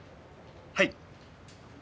はい。